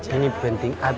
ini penting aja